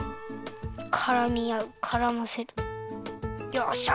よっしゃ！